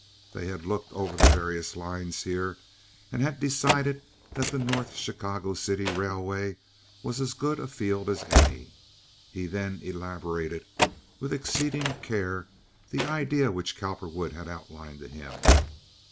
They had looked over the various lines here, and had decided that the North Chicago City Railway was as good a field as any. He then elaborated with exceeding care the idea which Cowperwood had outlined to him.